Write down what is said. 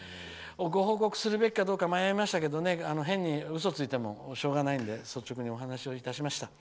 ご報告するべきか迷いましたけど変にうそをついてもしょうがないので率直にお話をいたしました。